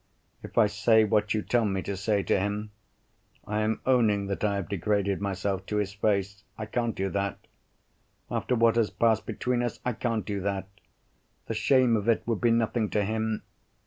If I say what you tell me to say to him—I am owning that I have degraded myself to his face. I can't do that. After what has passed between us, I can't do that! The shame of it would be nothing to him.